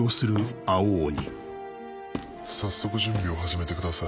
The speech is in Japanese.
早速準備を始めてください。